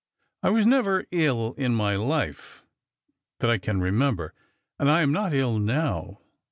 I was never ill in my life, that I can remember, and I am not ill now.